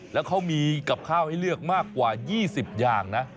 แล้วเขามีกับข้าวให้เลือกมากกว่า๒๐อย่างนะ